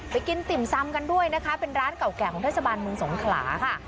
กินติ่มซำกันด้วยนะคะเป็นร้านเก่าแก่ของเทศบาลเมืองสงขลาค่ะ